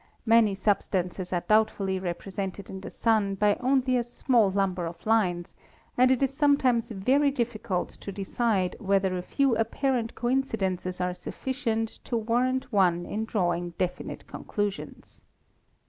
Many substances are doubtfully represented in the Sun by only a small number of lines, and it is sometimes very difficult to decide whether a few apparent coincidences are sufficient to warrant one in 38 ASTRONOMY drawing definite conclusions.